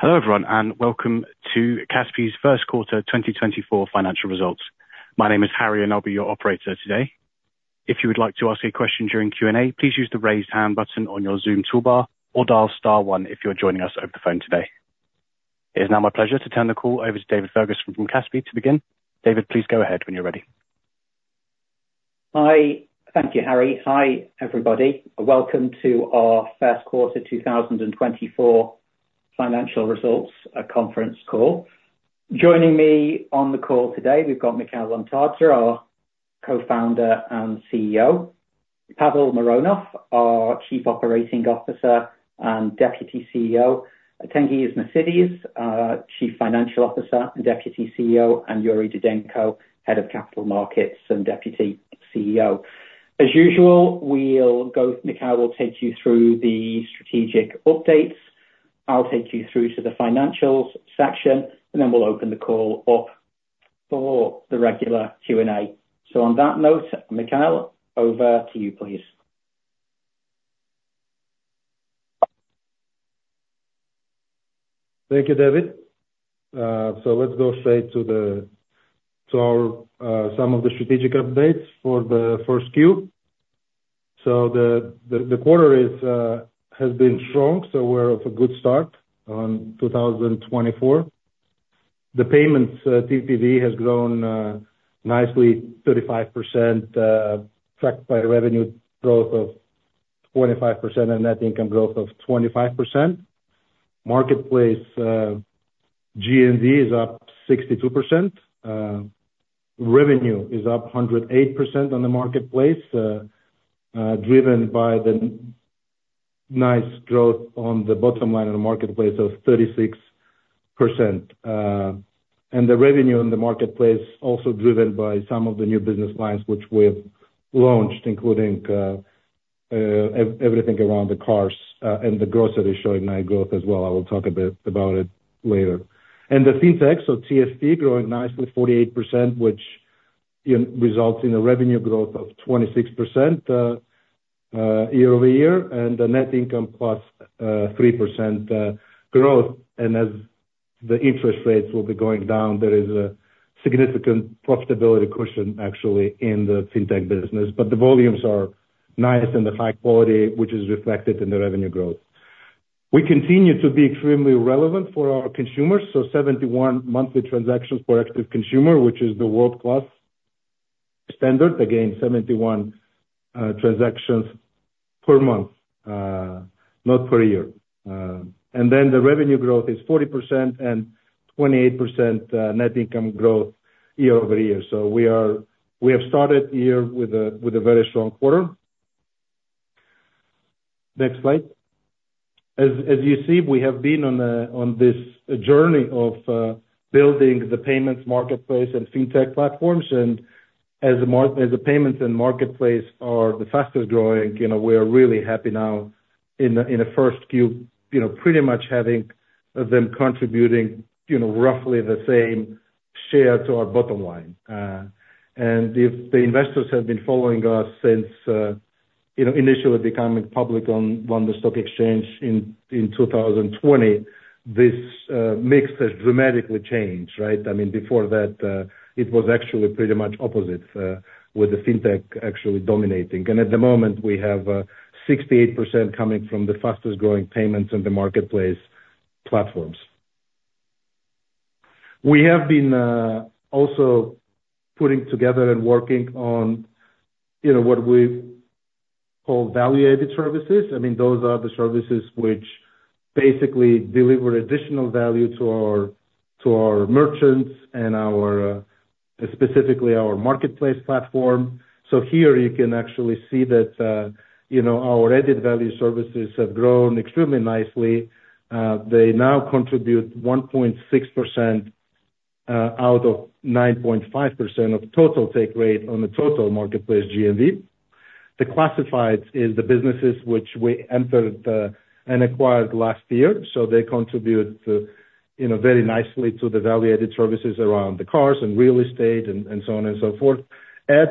Hello everyone, and welcome to Kaspi's first quarter 2024 financial results. My name is Harry, and I'll be your operator today. If you would like to ask a question during Q&A, please use the raised hand button on your Zoom toolbar or dial star one if you're joining us over the phone today. It is now my pleasure to turn the call over to David Ferguson from Kaspi to begin. David, please go ahead when you're ready. Thank you, Harry. Hi, everybody. Welcome to our first quarter 2024 financial results conference call. Joining me on the call today, we've got Mikheil Lomtadze, our co-founder and CEO, Pavel Mironov, our Chief Operating Officer and Deputy CEO, Tengiz Mosidze, Chief Financial Officer and Deputy CEO, and Yuri Didenko, Head of Capital Markets and Deputy CEO. As usual, Mikheil will take you through the strategic updates, I'll take you through to the financials section, and then we'll open the call up for the regular Q&A. So on that note, Mikheil, over to you, please. Thank you, David. So let's go straight to some of the strategic updates for the first Q. So the quarter has been strong, so we're off a good start on 2024. The payments TPV has grown nicely, 35%, tracked by revenue growth of 25% and net income growth of 25%. Marketplace GMV is up 62%. Revenue is up 108% on the marketplace, driven by the nice growth on the bottom line on the marketplace of 36%. And the revenue on the marketplace, also driven by some of the new business lines which we have launched, including everything around the cars and the grocery showing nice growth as well. I will talk a bit about it later. And the fintech, so TFV, growing nicely, 48%, which results in a revenue growth of 26% year over year and a net income plus 3% growth. As the interest rates will be going down, there is a significant profitability cushion, actually, in the fintech business. But the volumes are nice and the high quality, which is reflected in the revenue growth. We continue to be extremely relevant for our consumers, so 71 monthly transactions per active consumer, which is the world-class standard. Again, 71 transactions per month, not per year. And then the revenue growth is 40% and 28% net income growth year-over-year. So we have started the year with a very strong quarter. Next slide. As you see, we have been on this journey of building the payments marketplace and fintech platforms. And as the payments and marketplace are the fastest growing, we are really happy now in the first Q, pretty much having them contributing roughly the same share to our bottom line. If the investors have been following us since initially becoming public on London Stock Exchange in 2020, this mix has dramatically changed, right? I mean, before that, it was actually pretty much opposite, with the fintech actually dominating. At the moment, we have 68% coming from the fastest growing payments and the marketplace platforms. We have been also putting together and working on what we call value-added services. I mean, those are the services which basically deliver additional value to our merchants and specifically our marketplace platform. So here you can actually see that our added value services have grown extremely nicely. They now contribute 1.6% out of 9.5% of total take rate on the total marketplace GMV. The classifieds are the businesses which we entered and acquired last year, so they contribute very nicely to the value-added services around the cars and real estate and so on and so forth. Ads,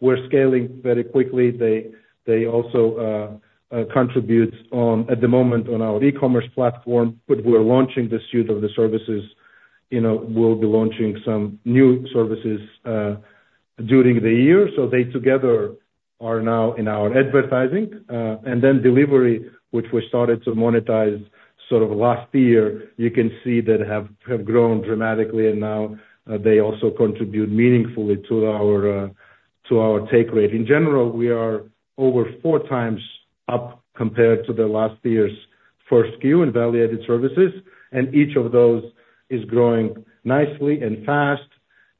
we're scaling very quickly. They also contribute at the moment on our e-commerce platform, but we're launching the suite of the services. We'll be launching some new services during the year. So they together are now in our advertising. And then delivery, which we started to monetize sort of last year, you can see that have grown dramatically, and now they also contribute meaningfully to our take rate. In general, we are over four times up compared to the last year's first Q in value-added services, and each of those is growing nicely and fast.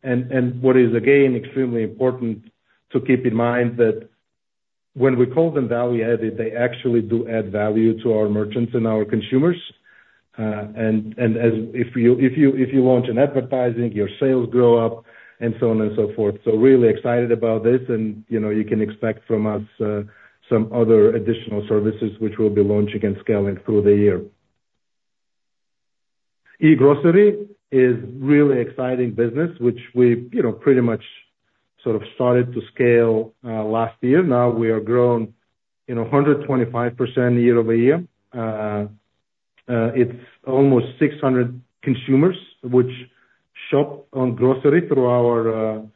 What is, again, extremely important to keep in mind is that when we call them value-added, they actually do add value to our merchants and our consumers. If you launch an advertising, your sales grow up and so on and so forth. Really excited about this, and you can expect from us some other additional services which we'll be launching and scaling through the year. e-Grocery is a really exciting business which we pretty much sort of started to scale last year. Now we are grown 125% year-over-year. It's almost 600 consumers which shop on grocery through our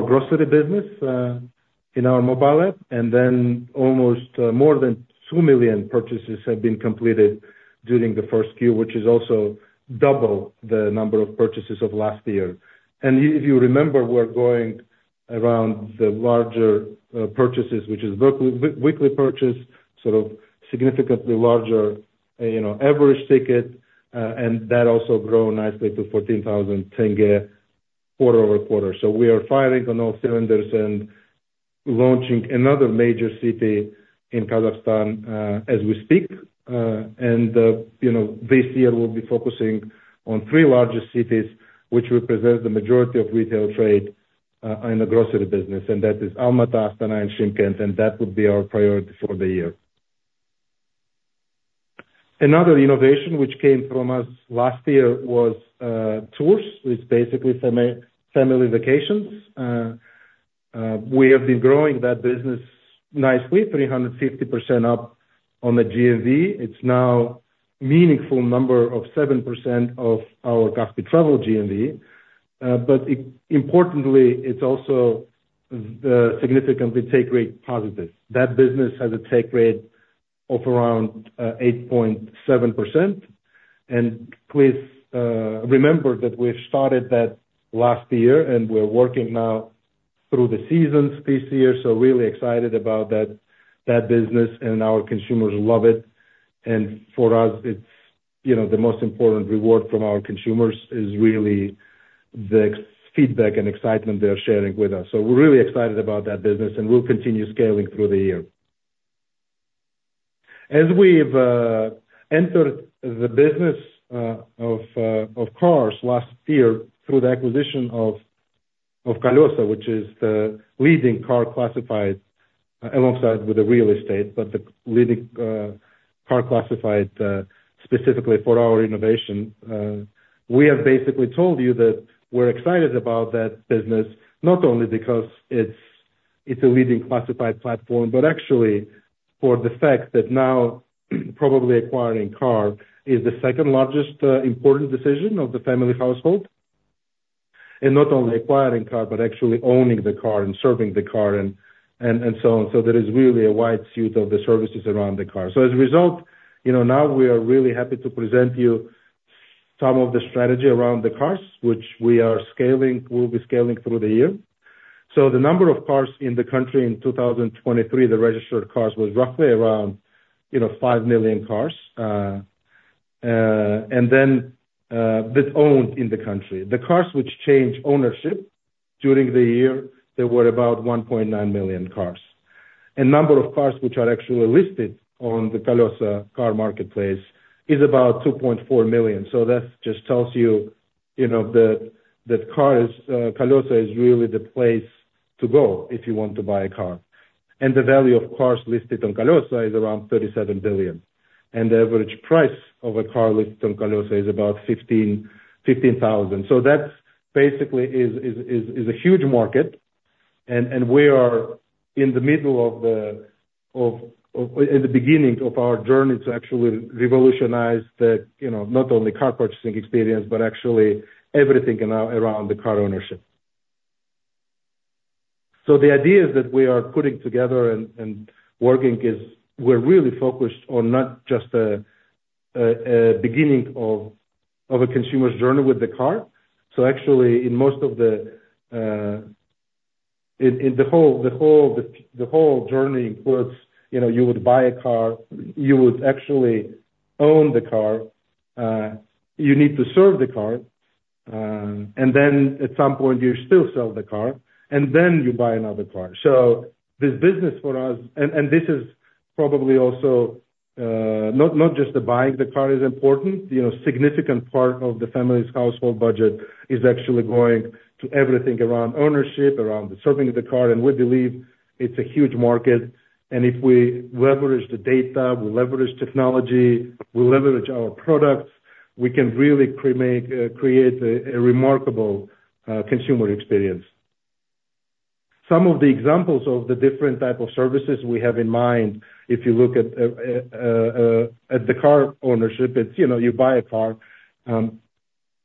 grocery business in our mobile app, and then almost more than 2 million purchases have been completed during the first Q, which is also double the number of purchases of last year. And if you remember, we're going around the larger purchases, which is weekly purchase, sort of significantly larger average ticket, and that also grows nicely to KZT 14,000 quarter-over-quarter. So we are firing on all cylinders and launching another major city in Kazakhstan as we speak. And this year we'll be focusing on three largest cities which represent the majority of retail trade in the grocery business, and that is Almaty, Astana, and Shymkent, and that would be our priority for the year. Another innovation which came from us last year was tours. It's basically family vacations. We have been growing that business nicely, 350% up on the G&V. It's now a meaningful number of 7% of our Kaspi Travel G&V. But importantly, it's also a significantly take rate positive. That business has a take rate of around 8.7%. Please remember that we've started that last year, and we're working now through the seasons this year. Really excited about that business, and our consumers love it. For us, the most important reward from our consumers is really the feedback and excitement they're sharing with us. We're really excited about that business, and we'll continue scaling through the year. As we've entered the business of cars last year through the acquisition of Kolesa, which is the leading car classified alongside the real estate, but the leading car classified specifically for our innovation, we have basically told you that we're excited about that business not only because it's a leading classified platform, but actually for the fact that now probably acquiring a car is the second largest important decision of the family household. Not only acquiring a car, but actually owning the car and serving the car and so on. So there is really a wide suite of the services around the car. So as a result, now we are really happy to present you some of the strategy around the cars which we will be scaling through the year. So the number of cars in the country in 2023, the registered cars, was roughly around 5 million cars. And then that owned in the country, the cars which changed ownership during the year, there were about 1.9 million cars. And number of cars which are actually listed on the Kolesa car marketplace is about 2.4 million. So that just tells you that Kolesa is really the place to go if you want to buy a car. And the value of cars listed on Kolesa is around KZT 37 billion. The average price of a car listed on Kolesa is about KZT 15,000. So that basically is a huge market, and we are in the middle of the beginning of our journey to actually revolutionize not only car purchasing experience, but actually everything around the car ownership. So the idea is that we are putting together and working. We're really focused on not just the beginning of a consumer's journey with the car. So actually, in most of the whole journey includes you would buy a car, you would actually own the car, you need to serve the car, and then at some point you still sell the car, and then you buy another car. So this business for us and this is probably also not just the buying of the car is important. A significant part of the family's household budget is actually going to everything around ownership, around servicing the car. We believe it's a huge market. If we leverage the data, we leverage technology, we leverage our products, we can really create a remarkable consumer experience. Some of the examples of the different types of services we have in mind, if you look at the car ownership, it's you buy a car,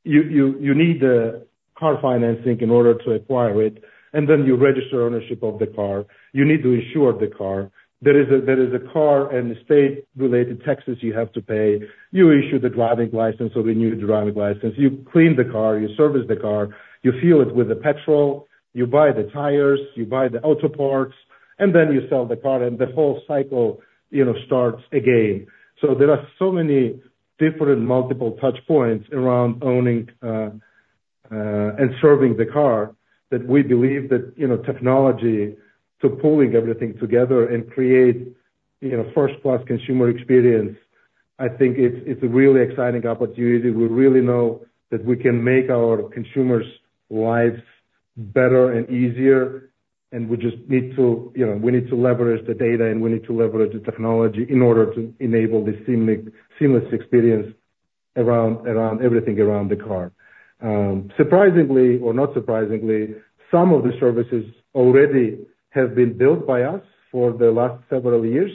you need car financing in order to acquire it, and then you register ownership of the car. You need to insure the car. There is a car and real estate-related taxes you have to pay. You issue the driving license, so renew the driving license. You clean the car, you service the car, you fuel it with the petrol, you buy the tires, you buy the auto parts, and then you sell the car, and the whole cycle starts again. So there are so many different multiple touchpoints around owning and serving the car that we believe that technology to pulling everything together and create first-class consumer experience, I think it's a really exciting opportunity. We really know that we can make our consumers' lives better and easier, and we just need to we need to leverage the data, and we need to leverage the technology in order to enable this seamless experience around everything around the car. Surprisingly or not surprisingly, some of the services already have been built by us for the last several years.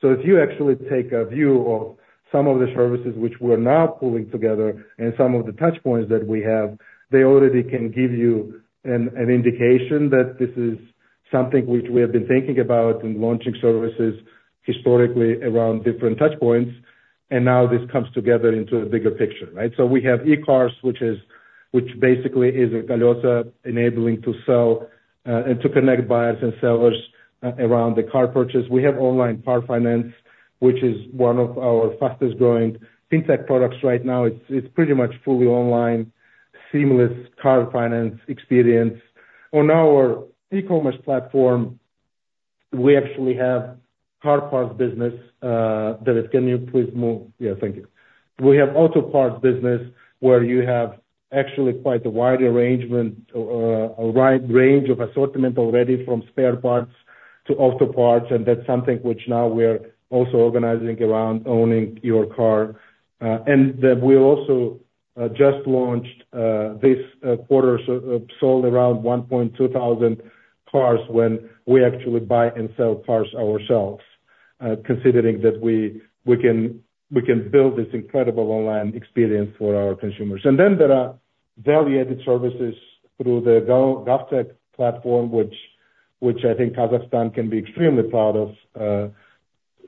So if you actually take a view of some of the services which we're now pulling together and some of the touchpoints that we have, they already can give you an indication that this is something which we have been thinking about and launching services historically around different touchpoints. And now this comes together into a bigger picture, right? So we have eCars, which basically is Kolesa enabling to sell and to connect buyers and sellers around the car purchase. We have online car finance, which is one of our fastest growing fintech products right now. It's pretty much fully online, seamless car finance experience. On our e-commerce platform, we actually have a car parts business that—can you please move? Yeah, thank you. We have an auto parts business where you have actually quite a wide arrangement, a wide range of assortment already from spare parts to auto parts. That's something which now we're also organizing around owning your car. We also just launched this quarter, sold around 1,200 cars when we actually buy and sell cars ourselves, considering that we can build this incredible online experience for our consumers. Then there are value-added services through the GovTech platform, which I think Kazakhstan can be extremely proud of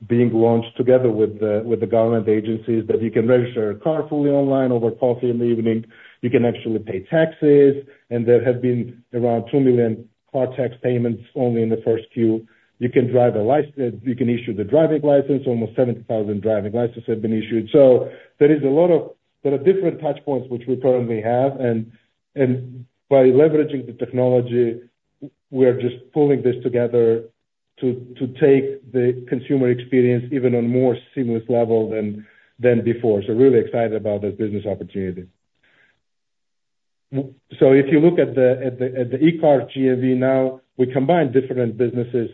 being launched together with the government agencies, that you can register a car fully online over coffee in the evening. You can actually pay taxes. There have been around 2 million car tax payments only in the first Q. You can drive a license. You can issue the driving license. Almost 70,000 driving licenses have been issued. So there is a lot. There are different touchpoints which we currently have. By leveraging the technology, we are just pulling this together to take the consumer experience even on a more seamless level than before. So really excited about this business opportunity. So if you look at the eCars GMV now, we combine different businesses,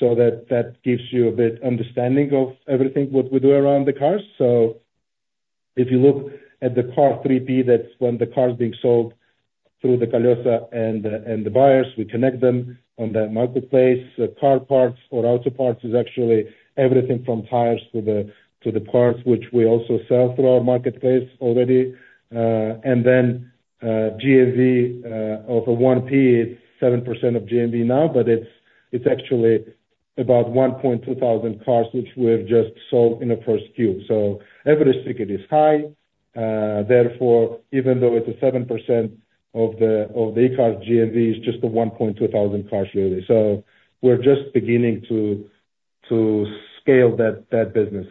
so that gives you a bit of understanding of everything what we do around the cars. So if you look at the car 3P, that's when the car is being sold through the Kolesa and the buyers. We connect them on the marketplace. Car parts or auto parts is actually everything from tires to the parts, which we also sell through our marketplace already. And then GMV of a 1P, it's 7% of GMV now, but it's actually about 1,200 cars which we've just sold in the first Q. So average ticket is high. Therefore, even though it's 7% of the eCars GMV, it's just the 1,200 cars, really. So we're just beginning to scale that business.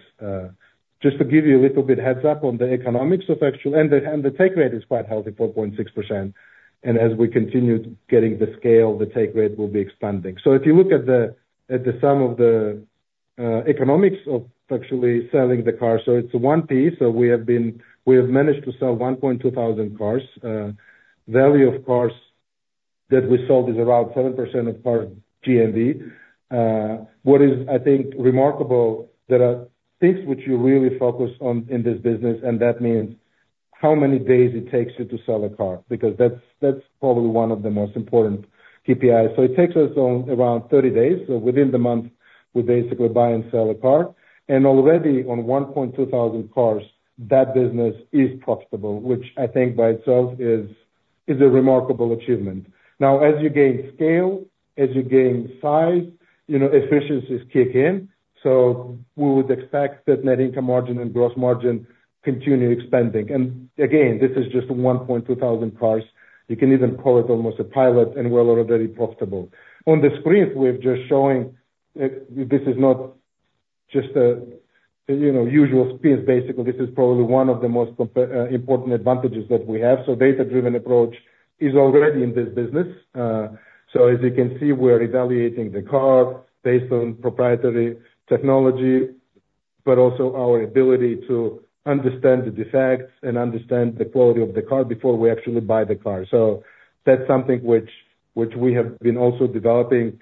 Just to give you a little bit of heads-up on the economics of actually and the take rate is quite healthy, 4.6%. And as we continue getting the scale, the take rate will be expanding. So if you look at the sum of the economics of actually selling the cars so it's a 1P. So we have managed to sell 1,200 cars. The value of cars that we sold is around 7% of car GMV. What is, I think, remarkable, there are things which you really focus on in this business, and that means how many days it takes you to sell a car, because that's probably one of the most important KPIs. So it takes us around 30 days. So within the month, we basically buy and sell a car. And already on 1,200 cars, that business is profitable, which I think by itself is a remarkable achievement. Now, as you gain scale, as you gain size, efficiencies kick in. So we would expect that net income margin and gross margin continue expanding. And again, this is just 1,200 cars. You can even call it almost a pilot, and we're already profitable. On the screens, we're just showing this is not just a usual space, basically. This is probably one of the most important advantages that we have. So a data-driven approach is already in this business. So as you can see, we're evaluating the car based on proprietary technology, but also our ability to understand the defects and understand the quality of the car before we actually buy the car. So that's something which we have been also developing,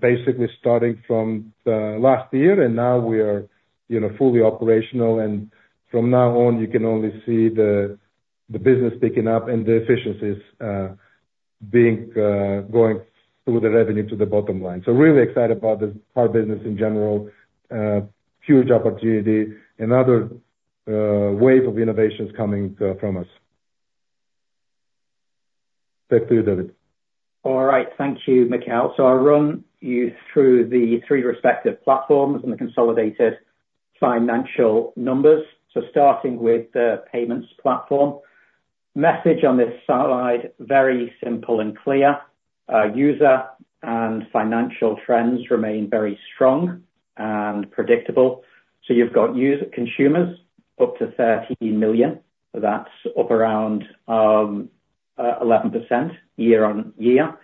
basically starting from last year. And now we are fully operational. And from now on, you can only see the business picking up and the efficiencies going through the revenue to the bottom line. So really excited about this car business in general, huge opportunity, another wave of innovations coming from us. Back to you, David. All right. Thank you, Mikheil. So I'll run you through the three respective platforms and the consolidated financial numbers. So starting with the payments platform, message on this slide, very simple and clear. User and financial trends remain very strong and predictable. So you've got consumers up to 13 million. That's up around 11% year-on-year.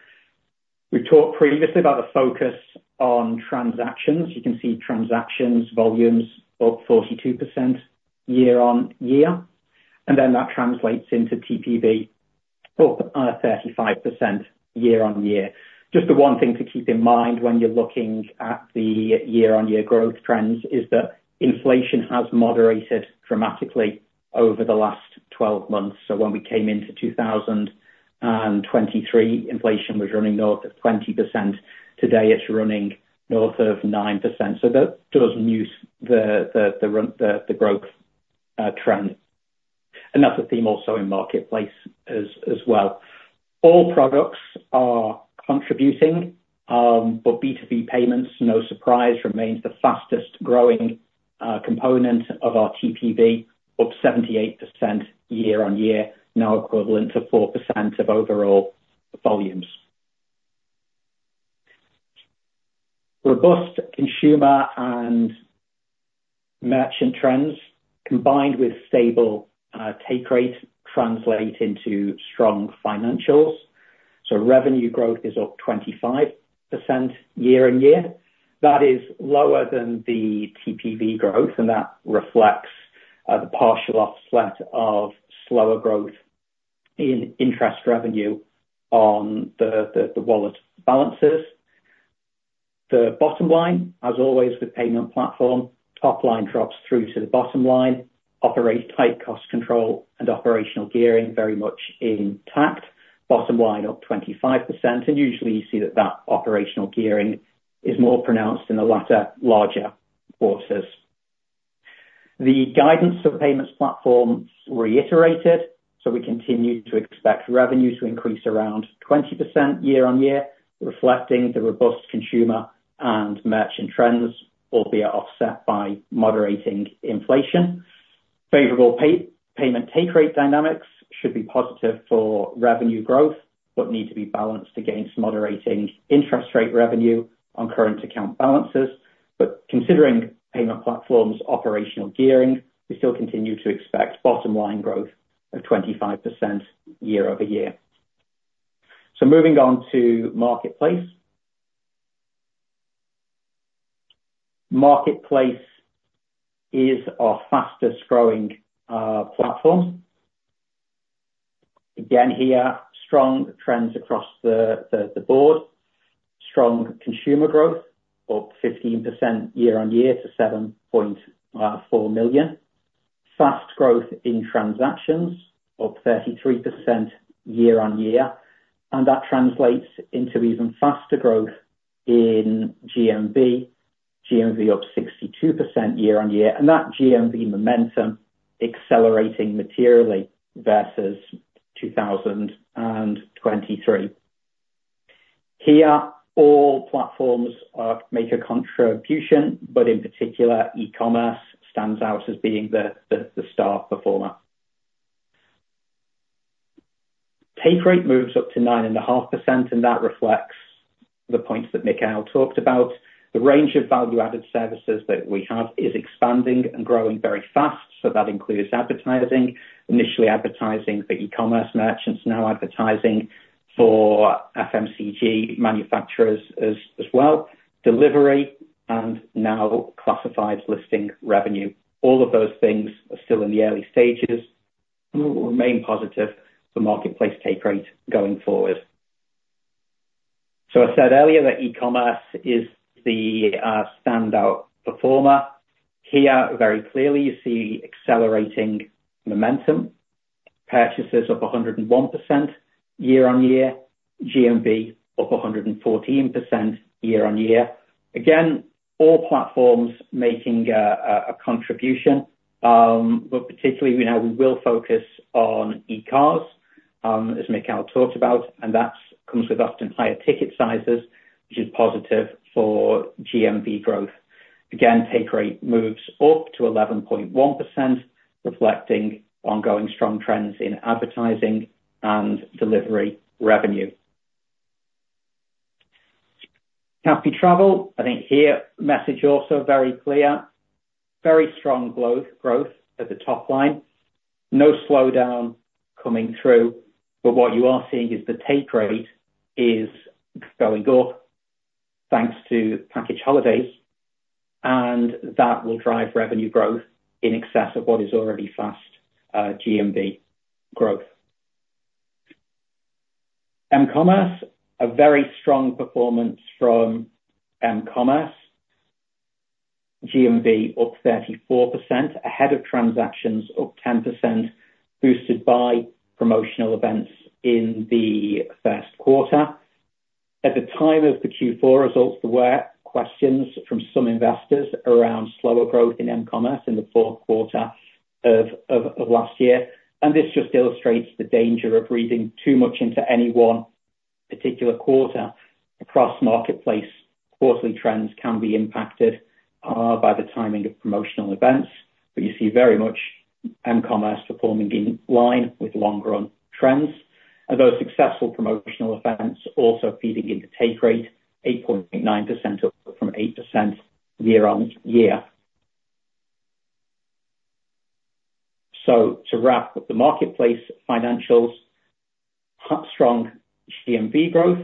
We've talked previously about the focus on transactions. You can see transaction volumes up 42% year-on-year. And then that translates into TPV up 35% year-on-year. Just the one thing to keep in mind when you're looking at the year-on-year growth trends is that inflation has moderated dramatically over the last 12 months. So when we came into 2023, inflation was running north of 20%. Today, it's running north of 9%. So that does mute the growth trend. And that's a theme also in marketplace as well. All products are contributing, but B2B Payments, no surprise, remains the fastest growing component of our TPV, up 78% year-on-year, now equivalent to 4% of overall volumes. Robust consumer and merchant trends combined with stable take rate translate into strong financials. Revenue growth is up 25% year-on-year. That is lower than the TPV growth, and that reflects the partial offset of slower growth in interest revenue on the wallet balances. The bottom line, as always with payment platform, top line drops through to the bottom line, operate tight cost control and operational gearing very much intact, bottom line up 25%. Usually, you see that that operational gearing is more pronounced in the latter larger quarters. The guidance of payments platform reiterated. So we continue to expect revenue to increase around 20% year-over-year, reflecting the robust consumer and merchant trends, albeit offset by moderating inflation. Favorable payment take rate dynamics should be positive for revenue growth, but need to be balanced against moderating interest rate revenue on current account balances. But considering payment platform's operational gearing, we still continue to expect bottom line growth of 25% year-over-year. So moving on to marketplace. Marketplace is our fastest growing platform. Again here, strong trends across the board. Strong consumer growth, up 15% year-over-year to 7.4 million. Fast growth in transactions, up 33% year-over-year. And that translates into even faster growth in GMV, GMV up 62% year-over-year. And that GMV momentum accelerating materially versus 2023. Here, all platforms make a contribution, but in particular, e-commerce stands out as being the star performer. Take rate moves up to 9.5%, and that reflects the points that Mikheil talked about. The range of value-added services that we have is expanding and growing very fast. So that includes advertising, initially advertising for e-commerce merchants, now advertising for FMCG manufacturers as well, delivery, and now classified listing revenue. All of those things are still in the early stages. We'll remain positive for marketplace take rate going forward. So I said earlier that e-commerce is the standout performer. Here, very clearly, you see accelerating momentum, purchases up 101% year-on-year, GMV up 114% year-on-year. Again, all platforms making a contribution. But particularly, now we will focus on eCars, as Mikheil talked about. And that comes with often higher ticket sizes, which is positive for GMV growth. Again, take rate moves up to 11.1%, reflecting ongoing strong trends in advertising and delivery revenue. Travel, I think here, message also very clear. Very strong growth at the top line. No slowdown coming through. But what you are seeing is the take rate is going up thanks to package holidays. And that will drive revenue growth in excess of what is already fast GMV growth. e-Commerce, a very strong performance from e-commerce. GMV up 34%, ahead of transactions up 10%, boosted by promotional events in the first quarter. At the time of the Q4 results, there were questions from some investors around slower growth in e-commerce in the fourth quarter of last year. And this just illustrates the danger of reading too much into any one particular quarter. Across marketplace, quarterly trends can be impacted by the timing of promotional events. But you see very much M-commerce performing in line with long-run trends, although successful promotional events also feeding into take rate, 8.9% up from 8% year-over-year. So to wrap up the marketplace financials, strong GMV growth,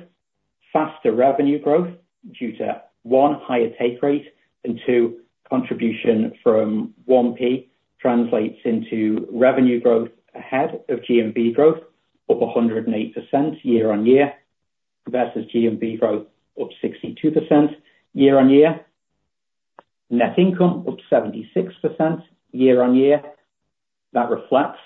faster revenue growth due to, one, higher take rate, and two, contribution from 1P translates into revenue growth ahead of GMV growth, up 108% year-over-year versus GMV growth up 62% year-over-year. Net income up 76% year-over-year. That reflects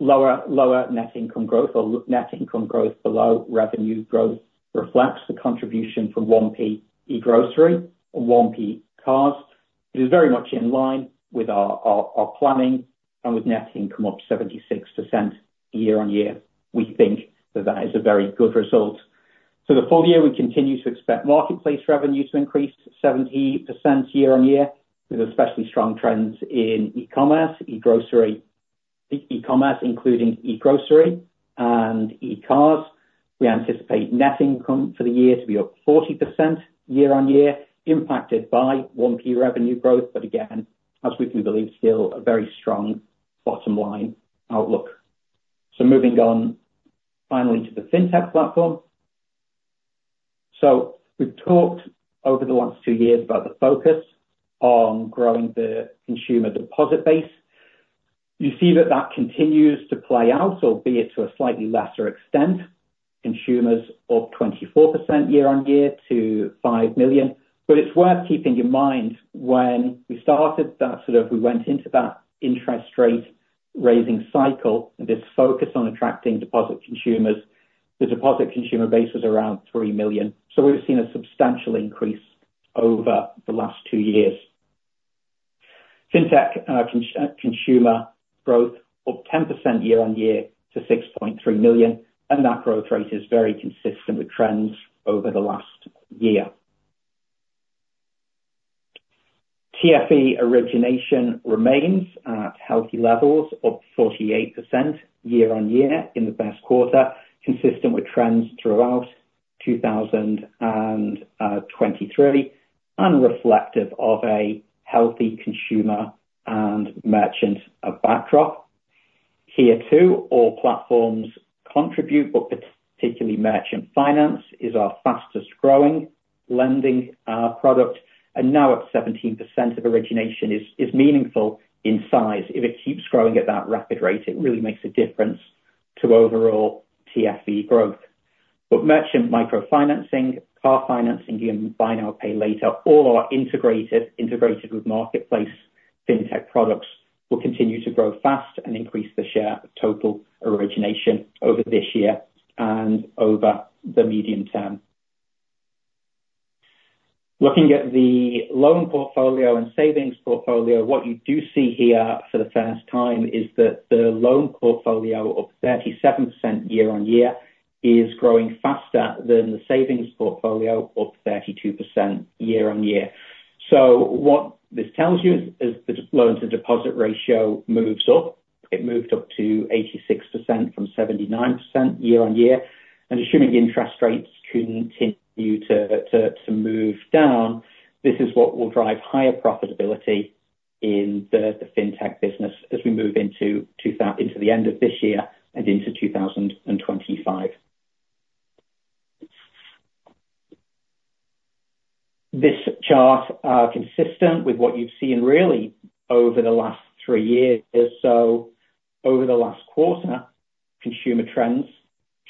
lower net income growth or net income growth below revenue growth reflects the contribution from 1P e-grocery and 1P cars. It is very much in line with our planning and with net income up 76% year-over-year. We think that that is a very good result. So the full year, we continue to expect marketplace revenue to increase 70% year-on-year with especially strong trends in e-commerce, e-Grocery, including e-Grocery and e-Cars. We anticipate net income for the year to be up 40% year-on-year, impacted by 1P revenue growth, but again, as we do believe, still a very strong bottom line outlook. So moving on finally to the fintech platform. So we've talked over the last two years about the focus on growing the consumer deposit base. You see that that continues to play out, albeit to a slightly lesser extent. Consumers up 24% year-on-year to 5 million. But it's worth keeping in mind when we started, that sort of we went into that interest rate-raising cycle and this focus on attracting deposit consumers, the deposit consumer base was around 3 million. So we've seen a substantial increase over the last two years. Fintech consumer growth up 10% year-on-year to 6.3 million. That growth rate is very consistent with trends over the last year. TFE origination remains at healthy levels, up 48% year-on-year in the first quarter, consistent with trends throughout 2023 and reflective of a healthy consumer and merchant backdrop. Here too, all platforms contribute, but particularly merchant finance is our fastest growing lending product. Now at 17% of origination is meaningful in size. If it keeps growing at that rapid rate, it really makes a difference to overall TFE growth. But merchant microfinancing, car financing, you can buy now, pay later, all are integrated with marketplace fintech products, will continue to grow fast and increase the share of total origination over this year and over the medium term. Looking at the loan portfolio and savings portfolio, what you do see here for the first time is that the loan portfolio up 37% year-on-year is growing faster than the savings portfolio up 32% year-on-year. So what this tells you is the loan-to-deposit ratio moves up. It moved up to 86% from 79% year-on-year. And assuming interest rates continue to move down, this is what will drive higher profitability in the fintech business as we move into the end of this year and into 2025. This chart is consistent with what you've seen really over the last three years. So over the last quarter, consumer trends,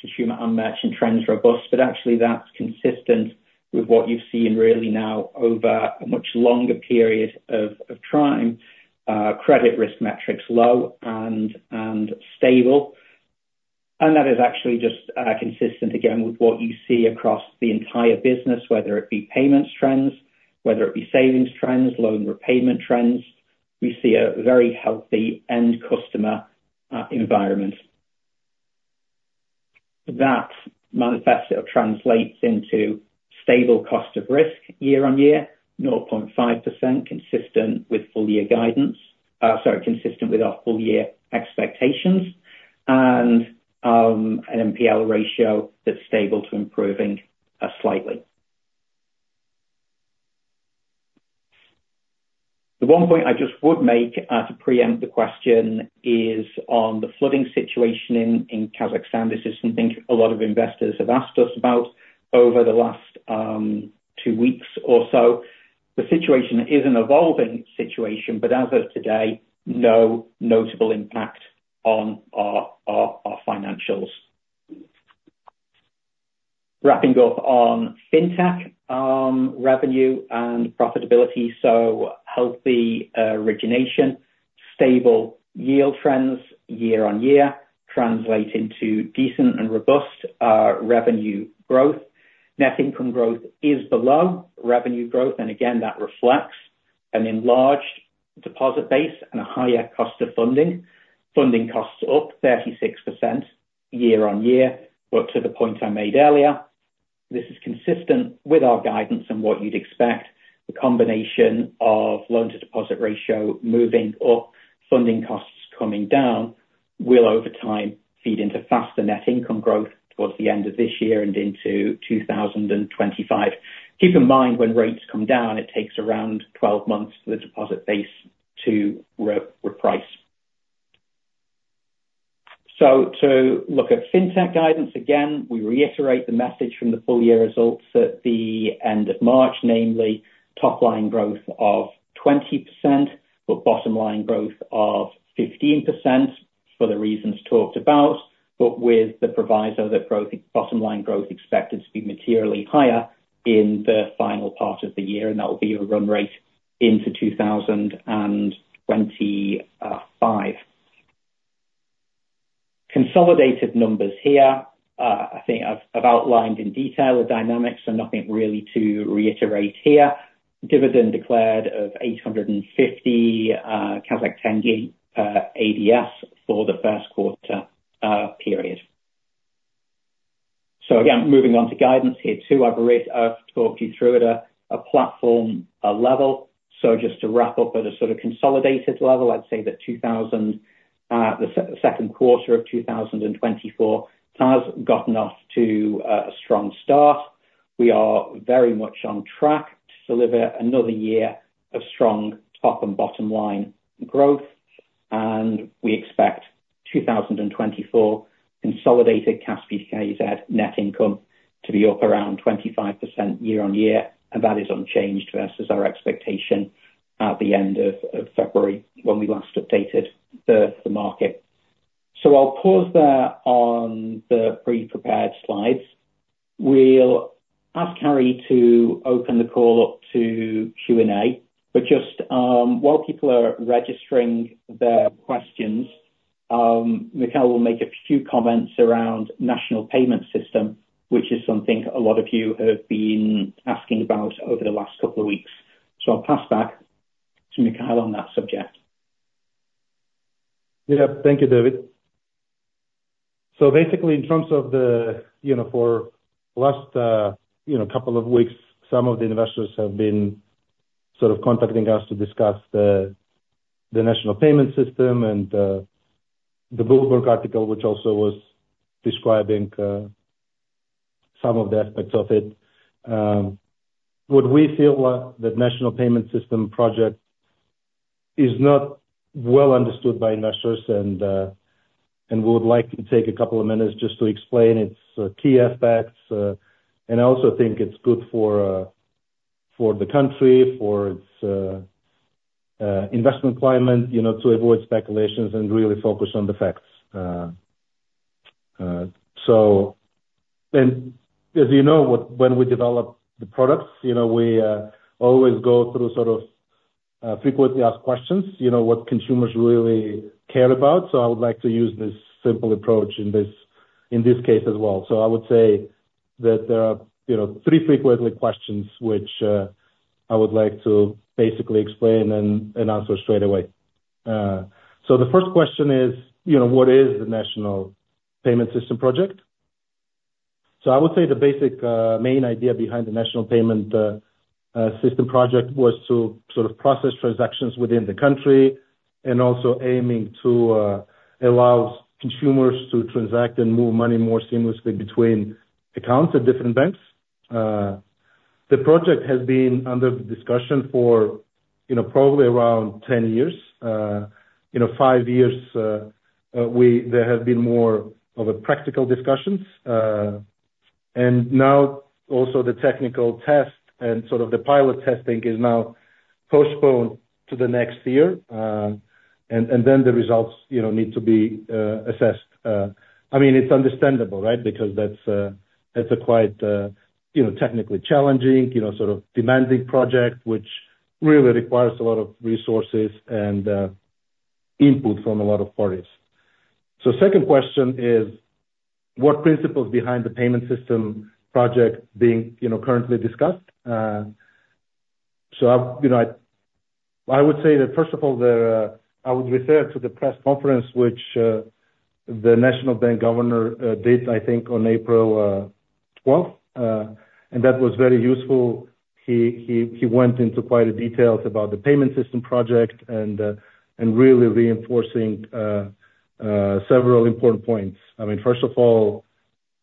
consumer and merchant trends robust. But actually, that's consistent with what you've seen really now over a much longer period of time. Credit risk metrics low and stable. That is actually just consistent, again, with what you see across the entire business, whether it be payments trends, whether it be savings trends, loan repayment trends. We see a very healthy end-customer environment. That manifests or translates into stable cost of risk year-over-year, 0.5% consistent with full-year guidance sorry, consistent with our full-year expectations and an NPL ratio that's stable to improving slightly. The one point I just would make to preempt the question is on the flooding situation in Kazakhstan. This is something a lot of investors have asked us about over the last two weeks or so. The situation is an evolving situation, but as of today, no notable impact on our financials. Wrapping up on fintech revenue and profitability. Healthy origination, stable yield trends year-over-year translate into decent and robust revenue growth. Net income growth is below revenue growth. Again, that reflects an enlarged deposit base and a higher cost of funding. Funding costs up 36% year-on-year. To the point I made earlier, this is consistent with our guidance and what you'd expect. The combination of loan-to-deposit ratio moving up, funding costs coming down will over time feed into faster net income growth towards the end of this year and into 2025. Keep in mind when rates come down, it takes around 12 months for the deposit base to reprice. To look at fintech guidance, again, we reiterate the message from the full-year results at the end of March, namely top line growth of 20% but bottom line growth of 15% for the reasons talked about, but with the proviso that bottom line growth expected to be materially higher in the final part of the year. And that will be a run rate into 2025. Consolidated numbers here. I think I've outlined in detail the dynamics. So nothing really to reiterate here. Dividend declared of 850 KZT per ADS for the first quarter period. So again, moving on to guidance here too. I've talked you through it at a platform level. So just to wrap up at a sort of consolidated level, I'd say that the second quarter of 2024 has gotten off to a strong start. We are very much on track to deliver another year of strong top and bottom line growth. And we expect 2024 consolidated Kaspi.kz net income to be up around 25% year-over-year. And that is unchanged versus our expectation at the end of February when we last updated the market. So I'll pause there on the pre-prepared slides. We'll ask Harry to open the call up to Q&A. But just while people are registering their questions, Mikheil will make a few comments around national payment system, which is something a lot of you have been asking about over the last couple of weeks. So I'll pass back to Mikheil on that subject. Yeah. Thank you, David. So basically, in terms of, for the last couple of weeks, some of the investors have been sort of contacting us to discuss the national payment system and the Bloomberg article, which also was describing some of the aspects of it. What we feel that national payment system project is not well understood by investors. We would like to take a couple of minutes just to explain its key aspects. I also think it's good for the country, for its investment climate, to avoid speculations and really focus on the facts. As you know, when we develop the products, we always go through sort of frequently asked questions, what consumers really care about. So I would like to use this simple approach in this case as well. So I would say that there are three frequently questions which I would like to basically explain and answer straight away. So the first question is, what is the national payment system project? So I would say the basic main idea behind the national payment system project was to sort of process transactions within the country and also aiming to allow consumers to transact and move money more seamlessly between accounts at different banks. The project has been under discussion for probably around 10 years. Five years, there have been more of practical discussions. And now also, the technical test and sort of the pilot testing is now postponed to the next year. And then the results need to be assessed. I mean, it's understandable, right, because that's a quite technically challenging, sort of demanding project, which really requires a lot of resources and input from a lot of parties. So second question is, what principles behind the payment system project being currently discussed? So I would say that, first of all, I would refer to the press conference which the national bank governor did, I think, on April 12th. That was very useful. He went into quite a detail about the payment system project and really reinforcing several important points. I mean, first of all,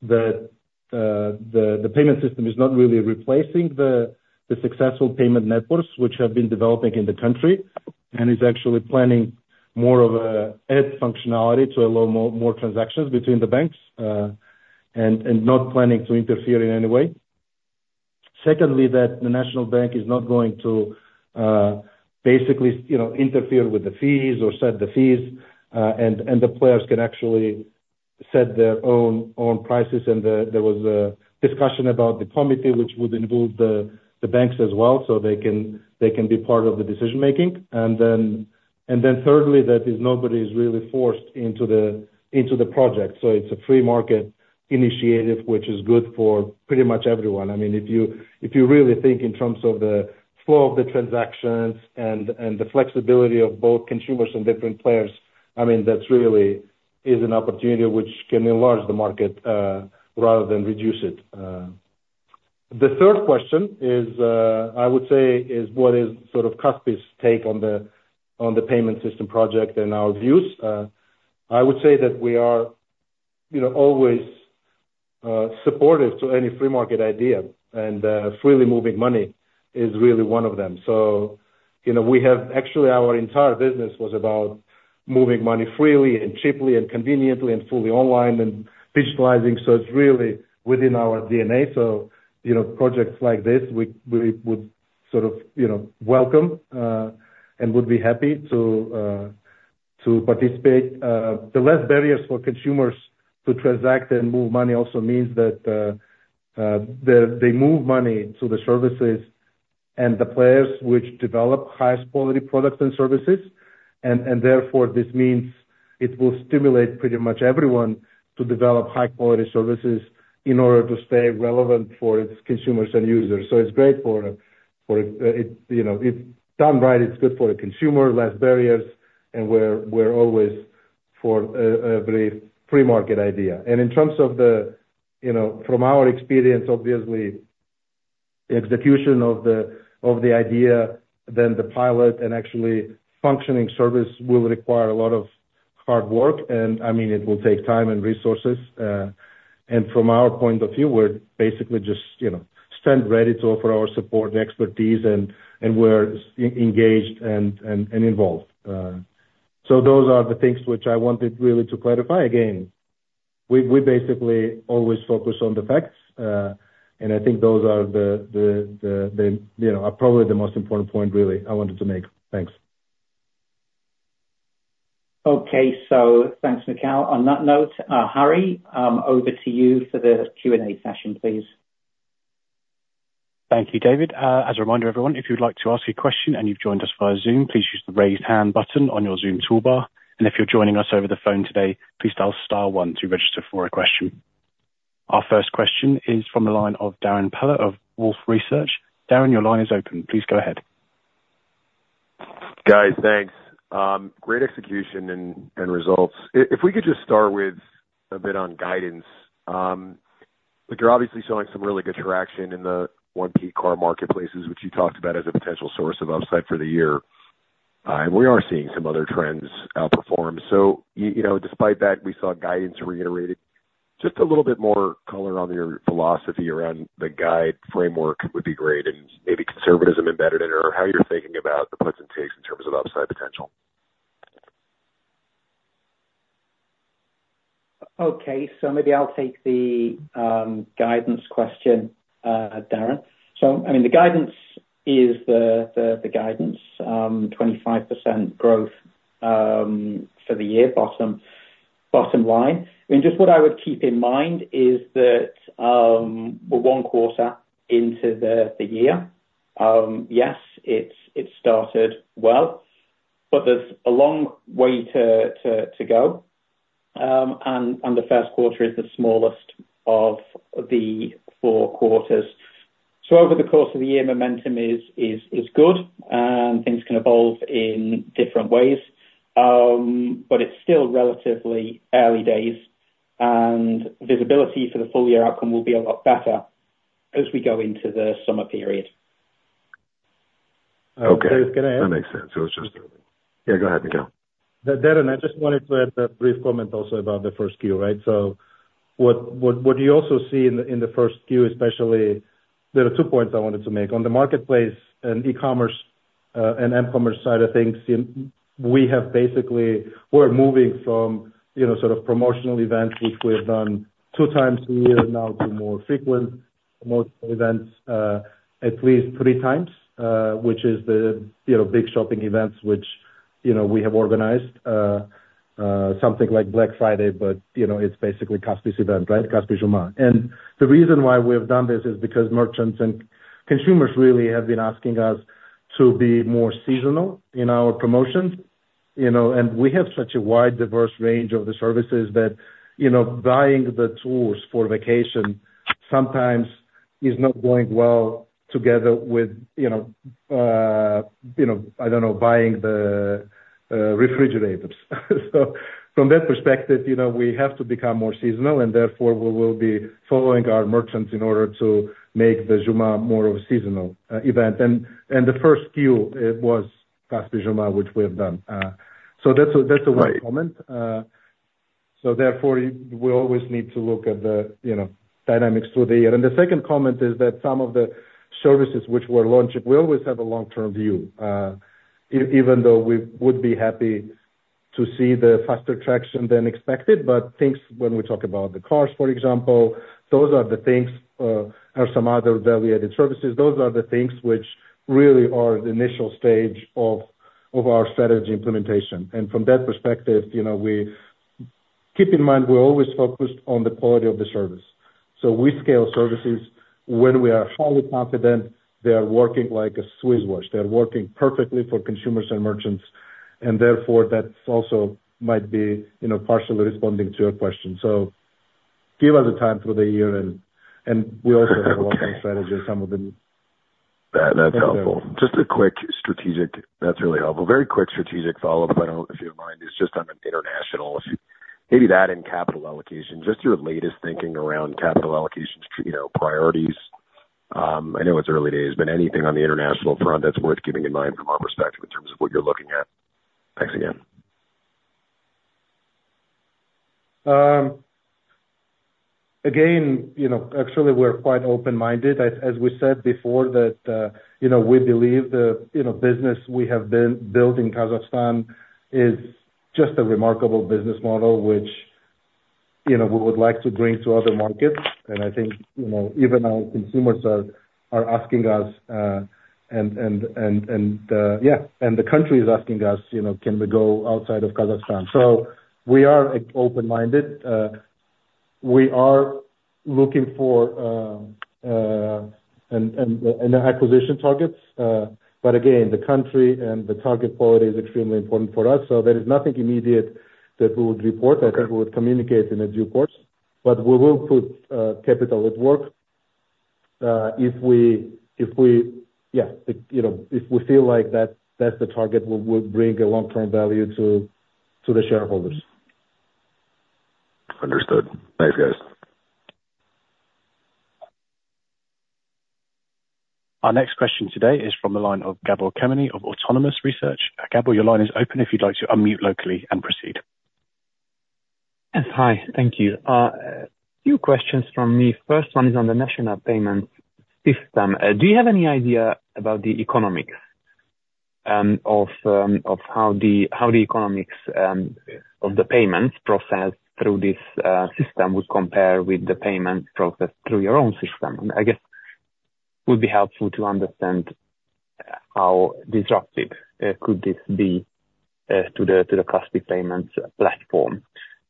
that the payment system is not really replacing the successful payment networks which have been developing in the country and is actually planning more of an add functionality to allow more transactions between the banks and not planning to interfere in any way. Secondly, that the national bank is not going to basically interfere with the fees or set the fees. The players can actually set their own prices. There was a discussion about the committee, which would involve the banks as well so they can be part of the decision-making. Then thirdly, that nobody is really forced into the project. So it's a free market initiative, which is good for pretty much everyone. I mean, if you really think in terms of the flow of the transactions and the flexibility of both consumers and different players, I mean, that really is an opportunity which can enlarge the market rather than reduce it. The third question, I would say, is, what is sort of Kaspi's take on the payment system project and our views? I would say that we are always supportive to any free market idea. And freely moving money is really one of them. So we have actually, our entire business was about moving money freely and cheaply and conveniently and fully online and digitalizing. So it's really within our DNA. Projects like this, we would sort of welcome and would be happy to participate. The less barriers for consumers to transact and move money also means that they move money to the services and the players which develop highest-quality products and services. And therefore, this means it will stimulate pretty much everyone to develop high-quality services in order to stay relevant for its consumers and users. So it's great for it if done right. It's good for the consumer, less barriers. And we're always for every free market idea. And in terms of from our experience, obviously, execution of the idea, then the pilot and actually functioning service will require a lot of hard work. And I mean, it will take time and resources. And from our point of view, we're basically just stand ready to offer our support and expertise. We're engaged and involved. So those are the things which I wanted really to clarify. Again, we basically always focus on the facts. And I think those are probably the most important point, really, I wanted to make. Thanks. Okay. So thanks, Mikheil, on that note. Harry, over to you for the Q&A session, please. Thank you, David. As a reminder, everyone, if you'd like to ask a question and you've joined us via Zoom, please use the raised hand button on your Zoom toolbar. If you're joining us over the phone today, please tell Star One to register for a question. Our first question is from the line of Darrin Peller of Wolfe Research. Darrin, your line is open. Please go ahead. Guys, thanks. Great execution and results. If we could just start with a bit on guidance. You're obviously showing some really good traction in the 1P car marketplaces, which you talked about as a potential source of upside for the year. And we are seeing some other trends outperform. So despite that, we saw guidance reiterated. Just a little bit more color on your philosophy around the guide framework would be great and maybe conservatism embedded in it or how you're thinking about the puts and takes in terms of upside potential. Okay. So maybe I'll take the guidance question, Darren. So I mean, the guidance is the guidance, 25% growth for the year, bottom line. I mean, just what I would keep in mind is that we're one quarter into the year. Yes, it started well. But there's a long way to go. And the first quarter is the smallest of the four quarters. So over the course of the year, momentum is good. And things can evolve in different ways. But it's still relatively early days. And visibility for the full-year outcome will be a lot better as we go into the summer period. Okay. I was going to ask. That makes sense. It was just yeah, go ahead, Mikheil. Darren, I just wanted to add a brief comment also about the first Q1, right? So what do you also see in the first Q1, especially there are two points I wanted to make. On the marketplace and e-commerce and m-commerce side of things, we have basically we're moving from sort of promotional events, which we have done two times a year now to more frequent promotional events at least three times, which is the big shopping events which we have organized, something like Black Friday. But it's basically Kaspi's event, right, Kaspi Juma. And the reason why we have done this is because merchants and consumers really have been asking us to be more seasonal in our promotions. We have such a wide, diverse range of the services that buying the tools for vacation sometimes is not going well together with, I don't know, buying the refrigerators. So from that perspective, we have to become more seasonal. And therefore, we will be following our merchants in order to make the Juma more of a seasonal event. And the first one, it was Kaspi Juma, which we have done. So that's one comment. So therefore, we always need to look at the dynamics through the year. And the second comment is that some of the services which we're launching, we always have a long-term view, even though we would be happy to see the faster traction than expected. But things when we talk about the cars, for example, those are the things or some other value-added services. Those are the things which really are the initial stage of our strategy implementation. And from that perspective, keep in mind, we're always focused on the quality of the service. So we scale services. When we are highly confident, they are working like a Swiss watch. They are working perfectly for consumers and merchants. And therefore, that also might be partially responding to your question. So give us a time through the year. And we also have a long-term strategy, some of the. That's helpful. Just a quick strategic that's really helpful, very quick strategic follow-up, if you don't mind, is just on an international maybe that and capital allocation, just your latest thinking around capital allocation priorities. I know it's early days, but anything on the international front that's worth keeping in mind from our perspective in terms of what you're looking at. Thanks again. Again, actually, we're quite open-minded. As we said before, that we believe the business we have built in Kazakhstan is just a remarkable business model, which we would like to bring to other markets. And I think even our consumers are asking us and yeah, and the country is asking us, "Can we go outside of Kazakhstan?" So we are open-minded. We are looking for acquisition targets. But again, the country and the target quality is extremely important for us. So there is nothing immediate that we would report. I think we would communicate in due course. But we will put capital at work if we yeah, if we feel like that's the target, we'll bring a long-term value to the shareholders. Understood. Thanks, guys. Our next question today is from the line of Gabor Kemeny of Autonomous Research. Gabor, your line is open if you'd like to unmute locally and proceed. Yes. Hi. Thank you. A few questions from me. First one is on the national payment system. Do you have any idea about the economics of how the economics of the payments processed through this system would compare with the payments processed through your own system? And I guess it would be helpful to understand how disruptive could this be to the Kaspi payments platform.